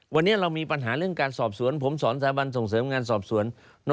วันนี้เรามีปัญหาเรื่องการสอบสวนผมสอนสาบันส่งเสริมงานสอบสวน